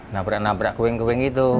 nabrak nabrak kewing kewing gitu